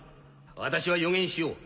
私は予言しよう。